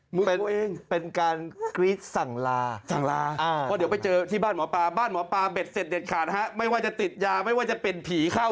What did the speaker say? มือที่จับกับมือผมไม่ใช่มือหมอปลา